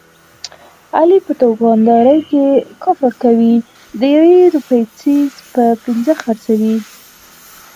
علي په دوکاندارۍ کې کفر کوي، د یوې روپۍ څیز په پینځه خرڅوي.